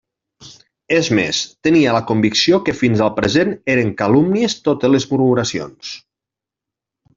És més: tenia la convicció que fins al present eren calúmnies totes les murmuracions.